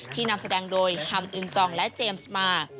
นำแสดงโดยฮัมอึนจองและเจมส์มา